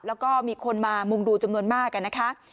แล้วก็มีคนมามุงดูจำนวนมากนะคะ